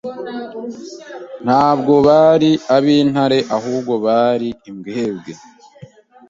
Ntabwo bari ab'intare ahubwo bari imbwebwe